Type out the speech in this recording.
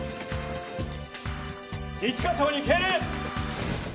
一課長に敬礼！